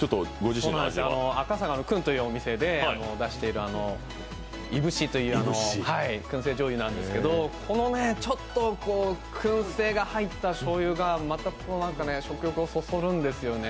赤坂の燻という店で出している燻というくん製じょうゆなんですけどこのちょっとくん製が入ったしょうゆが食欲をそそるんですよね。